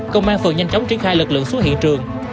công an phường nhanh chóng triển khai lực lượng xuống hiện trường